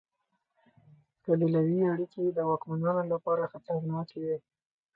قبیلوي اړیکې یې د واکمنانو لپاره خطرناکې وې.